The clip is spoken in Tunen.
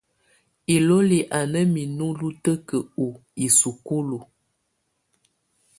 Ilolí a ná minu lutǝ́kǝ u isukúlu.